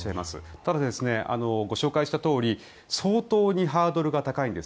ただ、ご紹介したとおり相当にハードルが高いんです。